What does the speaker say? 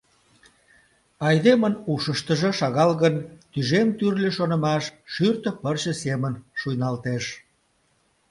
Айдемын ушыштыжо, шагал гын, тӱжем тӱрлӧ шонымаш шӱртӧ пырче семын шуйналтеш.